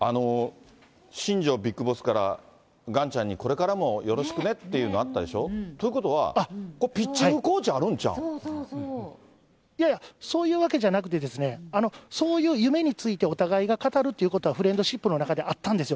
新庄ビッグボスから、ガンちゃんにこれからもよろしくねっていうのあったでしょう？ということは、ピッチングコーチあるんちいやいや、そういうわけじゃなくてですね、そういう夢について、お互いが語るっていうことはフレンドシップの中であったんですよ。